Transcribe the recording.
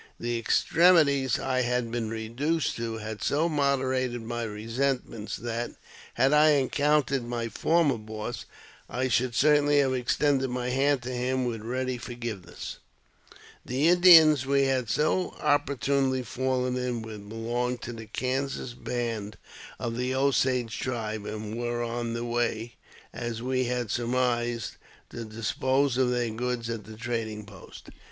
The extremities I had been reduced to had so moderated my resentments that, had I encountered my former boss, I should certainly have extended my hand to him with ready forgiveness. The Indians we had so opportunely fallen in with belonged to the Kansas band of the Osage tribe, and were on the way, as we had surmised, to dispose of their goods at the trading post.